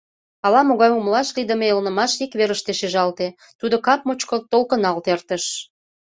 Ала-могай умылаш лийдыме элнымаш ик верыште шижалте, тудо кап мучко толкыналт эртыш.